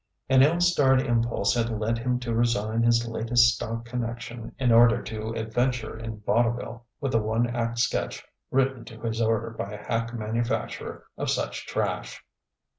An ill starred impulse had led him to resign his latest stock connection in order to adventure in vaudeville with a one act sketch written to his order by a hack manufacturer of such trash.